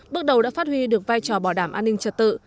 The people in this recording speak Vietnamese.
bước đầu đã phát huy được vai trò bảo đảm an ninh trật tự